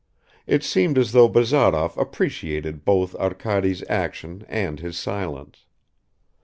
It seemed as though Bazarov appreciated both Arkady's action and his silence.